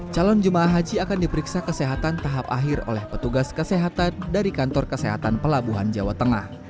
calon jemaah haji akan diperiksa kesehatan tahap akhir oleh petugas kesehatan dari kantor kesehatan pelabuhan jawa tengah